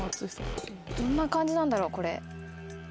どんな感じなんだろうこれ。